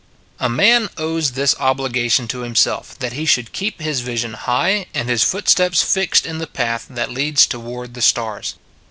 A man owes this obligation to himself that he should keep his vision high and his footsteps fixed in the path that leads to ward the stars.